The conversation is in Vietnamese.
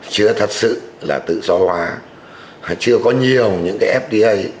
chưa thật sự là tự do hóa chưa có nhiều những cái fda